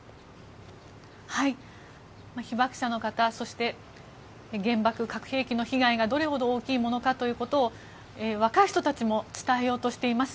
被爆者の方、そして原爆、核兵器の被害がどれほど大きいものかということを若い人たちも伝えようとしています。